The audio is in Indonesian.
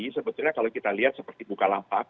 sebetulnya kalau kita lihat seperti bukalapak